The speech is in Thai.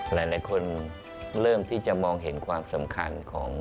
หลายคนเริ่มที่จะมองเห็นความสำคัญของ